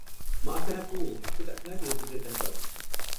Maafkan aku, aku tak sengaja cederakan kau.